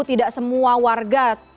tidak semua warga